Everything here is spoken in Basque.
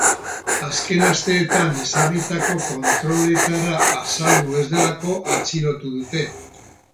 Azken asteetan ezarritako kontroletara azaldu ez delako atxilotu dute.